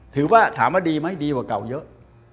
ถามว่าถามว่าดีไหมดีกว่าเก่าเยอะ